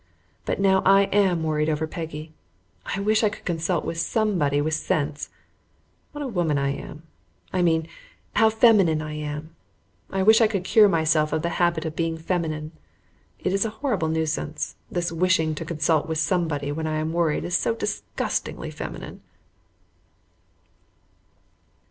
But now I AM worried over Peggy. I wish I could consult with somebody with sense. What a woman I am! I mean, how feminine I am! I wish I could cure myself of the habit of being feminine. It is a horrible nuisance; this wishing to consult with somebody when I am worried is so disgustingly feminine.